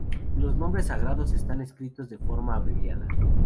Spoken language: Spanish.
Los nombres sagrados están escritos de forma abreviada.